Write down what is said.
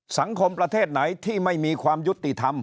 ประเทศไหนที่ไม่มีความยุติธรรม